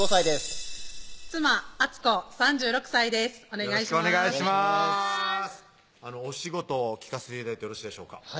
お仕事を聞かせて頂いてよろしいでしょうか